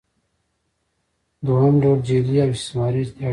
دویم ډول جعلي او استثماري اړیکې دي.